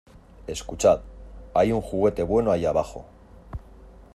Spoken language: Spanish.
Escuchad. Hay un juguete bueno ahí abajo .